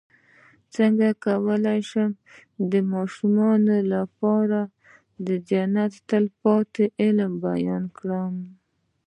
څنګه کولی شم د ماشومانو لپاره د جنت د تل پاتې علم بیان کړم